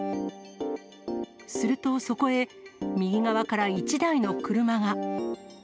すると、そこへ右側から１台の車が。